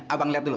abang liat dulu